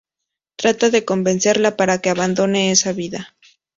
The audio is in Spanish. Trata de convencerla para que abandone esa vida.